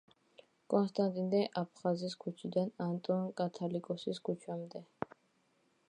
კონსტატინე აფხაზის ქუჩიდან ანტონ კათალიკოსის ქუჩამდე.